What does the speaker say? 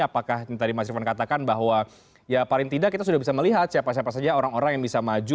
apakah tadi mas rifan katakan bahwa ya paling tidak kita sudah bisa melihat siapa siapa saja orang orang yang bisa maju